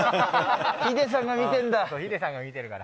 ヒデさんが見てるから。